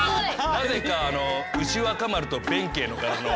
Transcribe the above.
なぜか牛若丸と弁慶の柄のを。